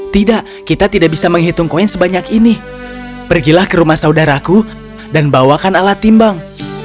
tidak kita tidak bisa menghitung koin sebanyak ini pergilah ke rumah saudaraku dan bawakan alat timbang